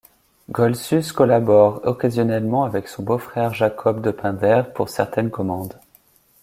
Goltzius collabore occasionnellement avec son beau-frère Jacob de Punder pour certaines commandes.